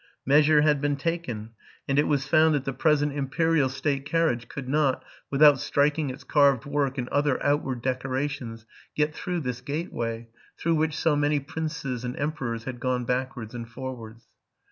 Measure had been taken ; and it was found that the present imperial state carriage could not, with out striking its carved work and other outward decorations, get through this gateway, through which so many princes and emperors had gone backwards and forwards.